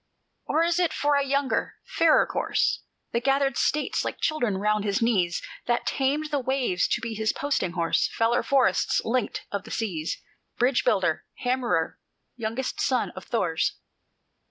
"Or is it for a younger, fairer corse, That gathered States like children round his knees, That tamed the waves to be his posting horse, Feller of forests, linker of the seas, Bridge builder, hammerer, youngest son of Thor's?